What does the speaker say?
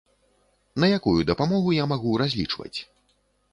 На якую дапамогу я магу разлічваць?